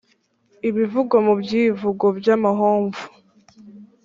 Ibivugwa mu byivugo by’amahomvu